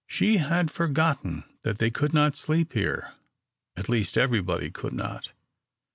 She had forgotten that they could not sleep here, at least everybody could not.